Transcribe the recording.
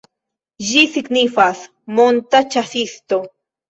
Ĝi signifas "monta ĉasisto".